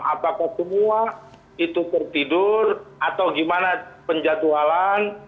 apakah semua itu tertidur atau gimana penjatualan